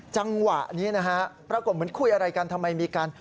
จังหวะนี้นะฮะปรากฏเหมือนคุยอะไรกันทำไมมีการ